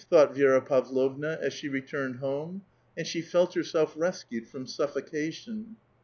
thought Vi^ra Pavlovna, as she returned Lome ; and she felt herself rescued from suffocation.